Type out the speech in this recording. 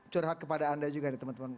curhat kepada anda juga nih teman teman